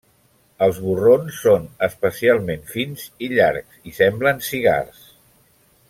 Els borrons són especialment fins i llargs i semblen cigars.